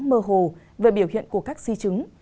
mơ hồ về biểu hiện của các di chứng